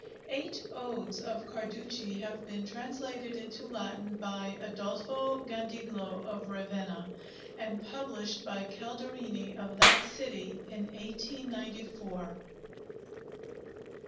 Eight 'Odes' of Carducci have been translated into Latin by Adolfo Gandiglo of Ravenna, and published by Calderini of that city in 1894. [Illustration: _HOMER.